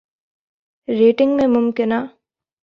rating میں ممکنہ